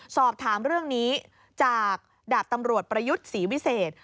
สอบถามเรื่องนี้จากดาบตำรวจประยุทธ์ศรีวิเศษ